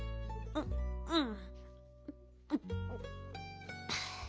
ううん。